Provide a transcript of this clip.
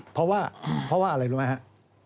เพราะว่าอะไรรู้ไหมครับ